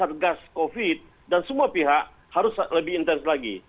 satgas covid dan semua pihak harus lebih intens lagi